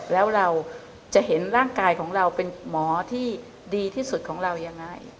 แล้วเราจะเห็นร่างกายของเราเป็นหมอที่ดีที่สุดของเรายังไง